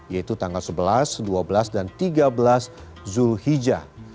yaitu tanggal sebelas dua belas dan tiga belas zulhijjah